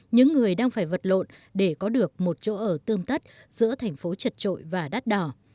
những người đang phải vật lộn để có được một chỗ ở tươm tất giữa thành phố chật trội và đắt đỏ